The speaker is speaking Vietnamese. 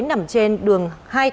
nằm trên đường hai tám